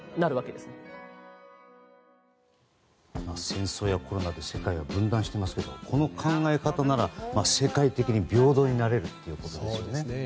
戦争やコロナで世界は分断してますけどこの考え方なら世界的に平等になれるということですよね。